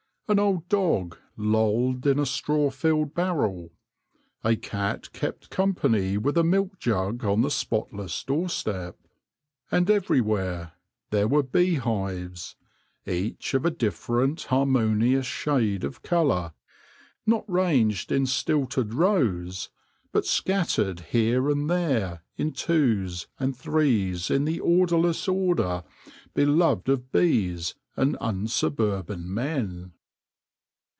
An old dog lolled in a straw filled barrel. A cat kept company with a milk jug on the spotless doorstep. And everywhere there were bee hives, each of a different harmonious shade of colour, not ranged in stilted rows, but scattered here and there in twos and threes in the orderless order be loved of bees and unsuburban men.